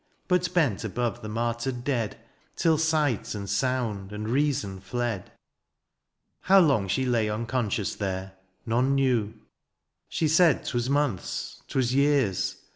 But bent above the martyred dead. Till sight, and soimd, and reason fled. 78 DIONYSIUS, How long she lay iinconscioxis there None knew : she said ^twas months^ ^twas years.